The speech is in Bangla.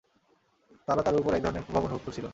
তারা তার উপর এক ধরনের প্রভাব অনুভব করছিল।